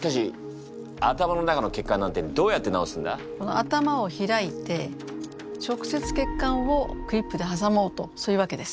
頭を開いて直接血管をクリップで挟もうとそういうわけです。